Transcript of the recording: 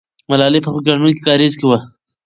ملالۍ په خوګیاڼیو کارېز کې وه.